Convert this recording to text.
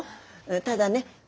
ただね